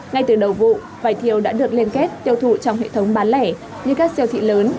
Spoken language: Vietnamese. ngay từ đầu vụ vải thiều đã được liên kết tiêu thụ trong hệ thống bán lẻ như các siêu thị lớn